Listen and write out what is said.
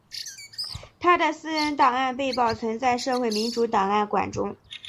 他的私人档案被保存在社会民主档案馆中。